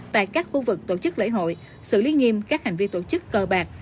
tại các khu vực tổ chức lễ hội xử lý nghiêm các hành vi tổ chức cờ bạc